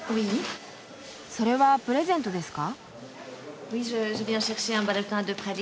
それはプレゼントですか？